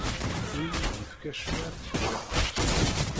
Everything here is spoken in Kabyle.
Ur iyi-d-yefki acemma ad t-ččeɣ.